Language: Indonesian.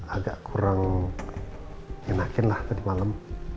agak kurang enakin lah tadi malam